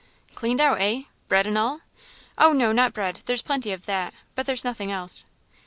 "Cleaned out, eh? Bread and all?" "Oh, no, not bread; there's plenty of that, but there's nothing else."